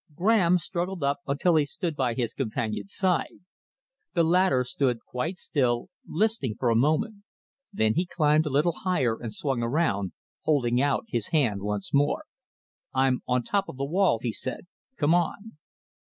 Graham struggled up until he stood by his companion's side. The latter stood quite still, listening for a moment. Then he climbed a little higher and swung around, holding out his hand once more. "I'm on top of the wall," he said. "Come on."